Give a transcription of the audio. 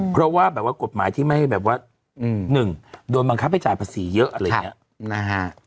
เพราะว่ากฏหมายที่ไม่ให้แบบว่า๑โดนบังคับให้จ่ายประสิทธิ์เยอะอะไรอย่างนี้